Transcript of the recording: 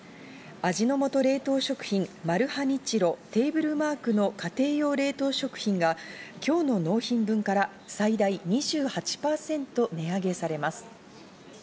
味の素冷凍食品、マルハニチロ、テーブルマークの家庭用冷凍食品が今日の納品分から最大２８％値上げされます。